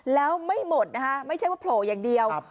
แล้วไม่หมดนะคะไม่ใช่ว่าโผล่อย่างเดียว